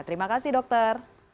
terima kasih dokter